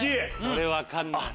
これ分かんない。